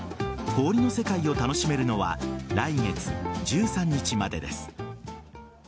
氷の世界を楽しめるのは来月１３日までです。